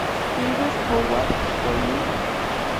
Singles "How was it for you?